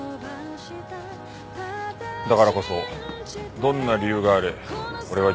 だからこそどんな理由があれ俺は自殺を認めない。